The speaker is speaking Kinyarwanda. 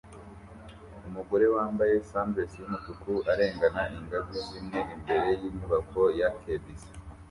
Umugore wambaye sundress yumutuku arengana ingazi zimwe imbere yinyubako ya kbc